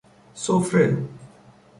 سفره